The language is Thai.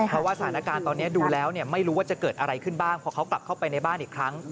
เพราะว่าสถานการณ์ตอนนี้ดูแล้วไม่รู้ว่าจะเกิดอะไรขึ้นบ้างเพราะเขากลับเข้าไปในบ้านอีกครั้ง